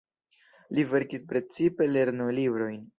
Li verkis precipe lernolibrojn.